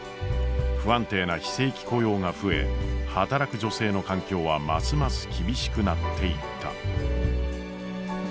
不安定な非正規雇用が増え働く女性の環境はますます厳しくなっていった。